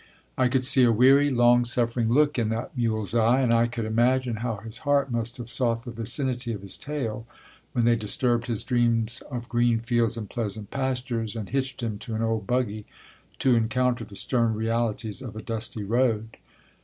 I could see a weary, long suffering look in that mule's eye, and I could imagine how his heart must have sought the vicinity of his tail, when they disturbed his dreams of green fields and pleasant pastures, and hitched him to an old buggy, to encounter the stern realities of a dusty road.